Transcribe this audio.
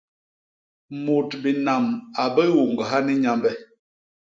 Mut binam a biuñgha ni Nyambe.